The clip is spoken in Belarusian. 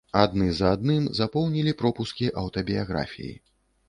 Адны за адным запоўнілі пропускі аўтабіяграфіі.